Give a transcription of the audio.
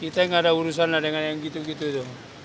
kita nggak ada urusan dengan yang gitu gitu